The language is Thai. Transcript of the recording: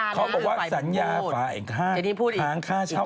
เขาบอกว่าสัญญาฝาอีก๕ค้างค่าเช่า